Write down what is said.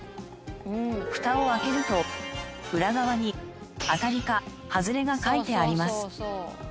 ふたを開けると裏側に「あたり」か「はずれ」が書いてあります。